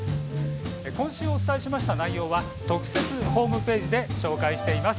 今週お伝えしました内容は特設のホームページで紹介しています。